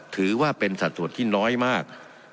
ถือว่าเป็นสัดส่วนที่น้อยมาก